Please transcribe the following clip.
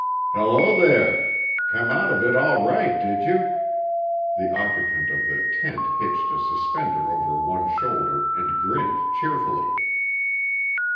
"Hello, there! Come out of it all right, did you?" The occupant of the tent hitched a suspender over one shoulder and grinned cheerfully.